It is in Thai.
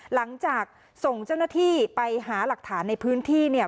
หลังจากส่งเจ้าหน้าที่ไปหาหลักฐานในพื้นที่เนี่ย